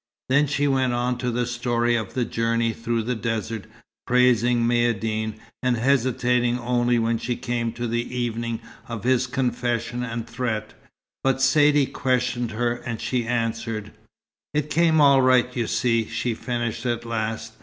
Then she went on to the story of the journey through the desert, praising Maïeddine, and hesitating only when she came to the evening of his confession and threat. But Saidee questioned her, and she answered. "It came out all right, you see," she finished at last.